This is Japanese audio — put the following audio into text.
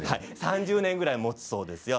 ３０年ぐらい、もつそうです。